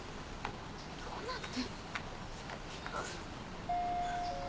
どうなってんの？